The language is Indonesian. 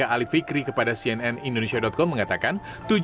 ali fikri kepada cnn indonesia com mengatakan